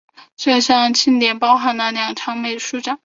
这项庆典包含了两场美术展。